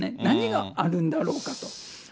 何があるんだろうかと。